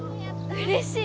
うれしい！